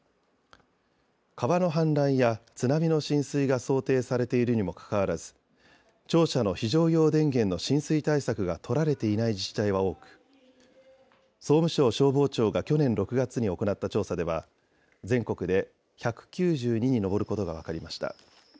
川の氾濫や津波の浸水が想定されているにもかかわらず庁舎の非常用電源の浸水対策が取られていない自治体は多く、総務省消防庁が去年６月に行った調査では全国で１９２に上ることが分かりました。